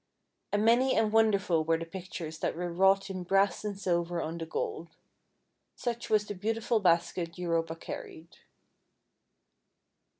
And many and won derful were the pictures that were wrought in brass and silver on the gold. Such was the beautiful basket Europa carried.